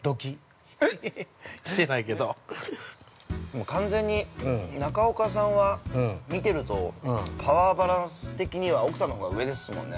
◆もう完全に中岡さんは見てると、パワーバランス的には、奥さんのほうが上ですもんね。